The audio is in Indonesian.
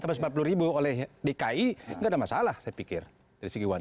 rp lima puluh oleh dki nggak ada masalah saya pikir dari segi uang